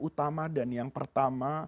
utama dan yang pertama